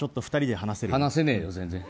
話せねえよ、全然。